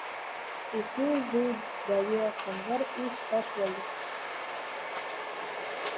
“Isuzu”dagi qing‘ir ish fosh bo‘ldi